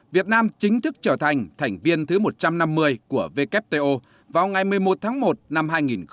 việt nam chính thức trở thành thành viên thứ một trăm năm mươi của wto vào ngày một mươi một tháng một năm hai nghìn hai mươi